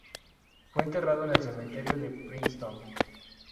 Fue enterrado en el Cementerio de Princeton.